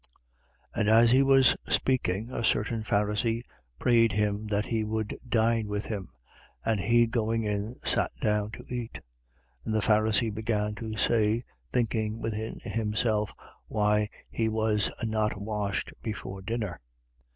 11:37. And as he was speaking, a certain Pharisee prayed him that he would dine with him. And he going in, sat down to eat. 11:38. And the Pharisee began to say, thinking within himself, why he was not washed before dinner.